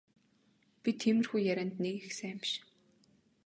Би тиймэрхүү ярианд нэг их сайн биш.